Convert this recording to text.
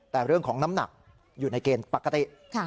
แต่เรื่องของน้ำหนักอยู่ในเกณฑ์ปกติ